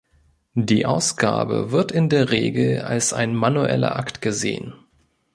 Die Ausgabe wird in der Regel als ein manueller Akt gesehen.